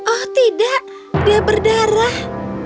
oh tidak dia berdarah